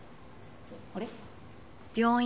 あれ？